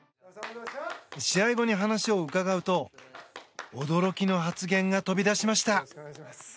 試合後に話を伺うと驚きの発言が飛び出しました。